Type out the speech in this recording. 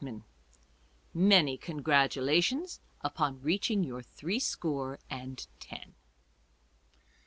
i — Many congratulations upon reaching your three score and ten.